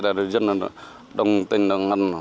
rồi dân đồng tình